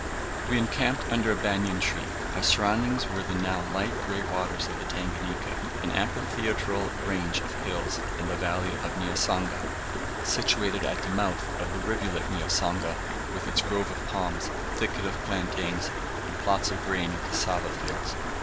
We encamped under a banian tree; our surroundings were the now light grey waters of the Tanganika, an amphitheatral range of hills, and the village of Niasanga, situated at the mouth of the rivulet Niasanga, with its grove of palms, thicket of plantains, and plots of grain and cassava fields.